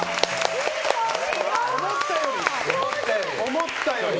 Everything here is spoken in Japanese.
思ったより。